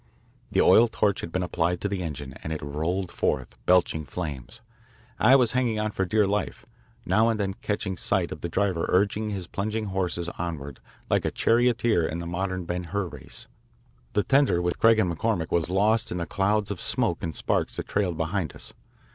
The oil torch had been applied to the engine, and it rolled forth, belching flames. I was hanging on for dear life, now and then catching sight of the driver urging his plunging horses onward like a charioteer in a modern Ben Hur race. The tender with Craig and McCormick was lost in the clouds of smoke and sparks that trailed behind us.